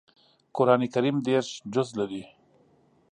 قران کریم دېرش جزء لري